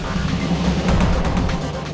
gak usah pegang pegang